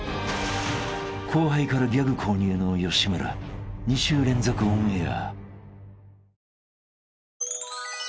［後輩からギャグ購入の吉村２週連続オンエア］